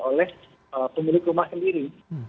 oleh pemilik rumah sendiri